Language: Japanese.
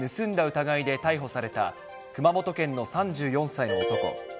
疑いで逮捕された、熊本県の３４歳の男。